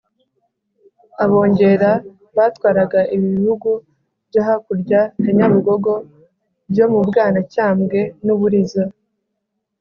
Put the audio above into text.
abongera batwaraga ibi bihugu byo hakurya ya nyabugogo, byo mu bwanacyambwe n’uburiza.